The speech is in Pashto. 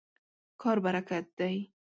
کار برکت دی.